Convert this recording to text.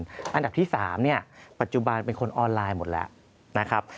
อย่างที่๓ปัจจุบันเป็นคนออนไลน์หมดแล้วนะครับ